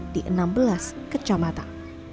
di enam belas kecamatan